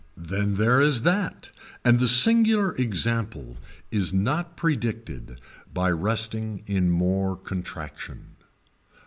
Then there is that and the singular example is not predicted by resting in more contraction.